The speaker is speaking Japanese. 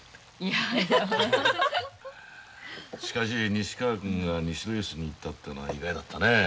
しかし西川君が西ドイツに行ったというのは意外だったねえ。